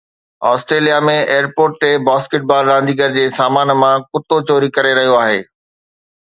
Australia ۾ airport تي basketball رانديگر جي سامان مان ڪتو چوري ڪري رهيو آهي